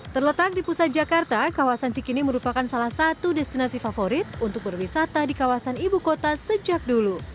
terletak di pusat jakarta kawasan cikini merupakan salah satu destinasi favorit untuk berwisata di kawasan ibu kota sejak dulu